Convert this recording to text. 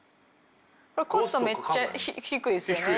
これコストめっちゃ低いですよね。